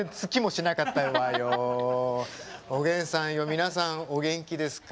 皆さんお元気ですか？